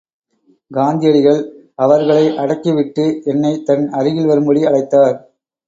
காந்தியடிகள், அவர்களை அடக்கி விட்டு என்னை தன் அருகில் வரும்படி அழைத்தார்.